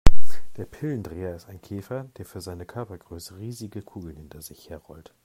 Der Pillendreher ist ein Käfer, der für seine Körpergröße riesige Kugeln hinter sich her rollt.